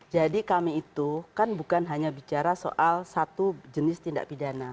jadi kami itu kan bukan hanya bicara soal satu jenis tindak pidana